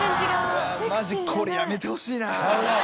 マジこれやめてほしいな。